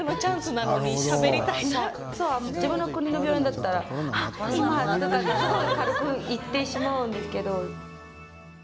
自分の国の病院だったらあっ、今とか、すごい軽くいってしまうんですけど。